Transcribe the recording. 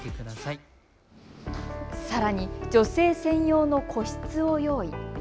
さらに女性専用の個室を用意。